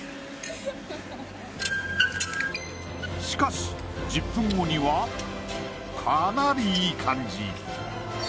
しかし１０分後にはかなりいい感じ。